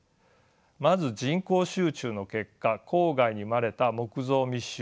まず人口集中の結果郊外に生まれた木造密集地域。